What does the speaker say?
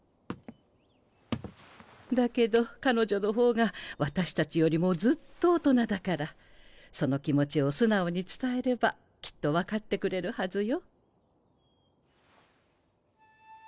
だけど彼女のほうが私たちよりもずっと大人だからその気持ちを素直に伝えればきっと分かってくれるはずよ。